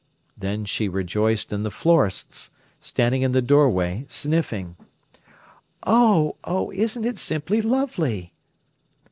Then she rejoiced in the florists, standing in the doorway sniffing. "Oh! oh! Isn't it simply lovely!"